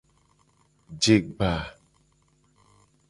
Jegba.